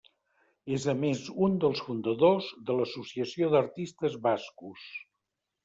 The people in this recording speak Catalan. És a més un dels fundadors de l'Associació d'Artistes Bascos.